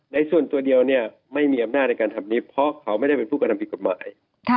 ส่วนตัวเดียวเนี่ยไม่มีอำนาจในการทำนี้เพราะเขาไม่ได้เป็นผู้กระทำผิดกฎหมาย